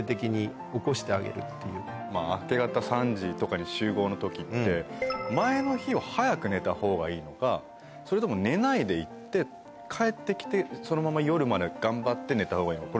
それによって。の時って前の日を早く寝たほうがいいのかそれとも寝ないで行って帰って来てそのまま夜まで頑張って寝たほうがいいのか。